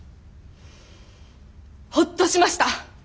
ホッとしました。